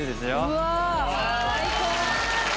うわあ！最高！